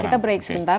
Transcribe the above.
kita break sebentar